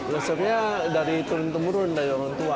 lesunya dari turun temurun dari orang tua